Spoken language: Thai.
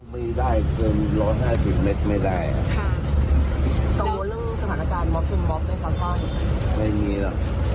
ผลเอกลวิทย์บอกว่าห่วงเรื่องมือที่๓แล้วก็ได้กำชับเจ้าหน้าที่ไปแล้วว่าต้องไม่ให้เกิดขึ้นนะฮะ